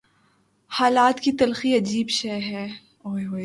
حالات کی تلخی عجیب شے ہے۔